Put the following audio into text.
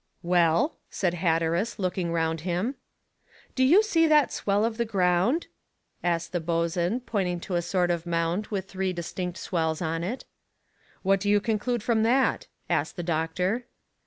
"Well?" said Hatteras, looking round him. "Do you see that swell of the ground?" asked the boatswain, pointing to a sort of mound with three distinct swells on it. "What do you conclude from that?" asked the doctor.